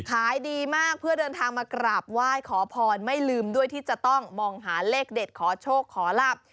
ขายดีมากเพื่อเดินทางมากราบไหว้ขอพรไม่ลืมด้วยที่จะต้องมองหาเลขเด็ดขอโชคขอลาบ